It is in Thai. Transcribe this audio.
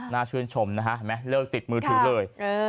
น่าชื่นชมนะฮะเห็นไหมเลิกติดมือถือเลย